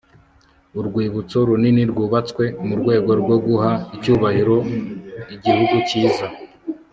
urwibutso runini rwubatswe mu rwego rwo guha icyubahiro igihugu cyiza